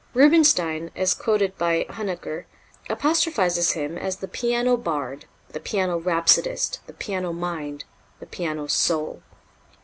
Rubinstein, as quoted by Huneker, apostrophizes him as "the piano bard, the piano rhapsodist, the piano mind, the piano soul....